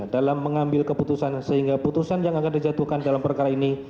dalam mengambil keputusan sehingga putusan yang akan dijatuhkan dalam perkara ini